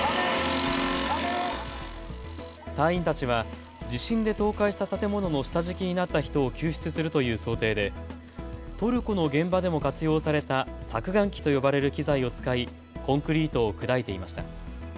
隊員たちは地震で倒壊した建物の下敷きになった人を救出するという想定でトルコの現場でも活用された削岩機と呼ばれる機材を使いコンクリートを砕いていました。